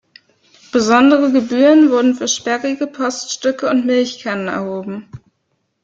Besondere Gebühren wurden für sperrige Poststücke und Milchkannen erhoben.